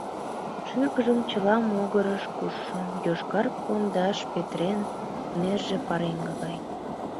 Шӱргыжым чыла могырыш кушшо йошкар пондаш петырен, нерже пареҥге гай.